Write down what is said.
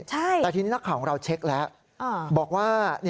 แต่ทีนี้นักข่าวของเราเช็คแล้วบอกว่า